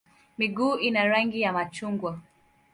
Miguu ina rangi ya machungwa.